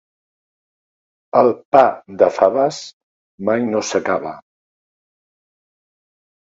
El pa de faves mai no s'acaba.